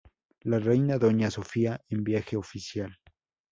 La Reina Doña Sofía en viaje oficial.